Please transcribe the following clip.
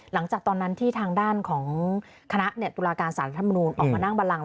หลังจากตอนนั้นที่ทางด้านของคณะเนี่ยตุลาการสารรัฐบรรณวงศ์ออกมานั่งบรรลัง